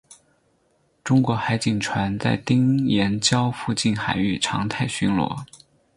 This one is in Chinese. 中国海警船在丁岩礁附近海域常态巡逻。